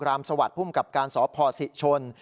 รามสวัสดิ์พุ่มกับการสอบพศิชชน